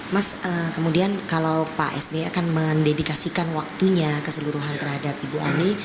mas kemudian kalau pak sby akan mendedikasikan waktunya keseluruhan terhadap ibu ani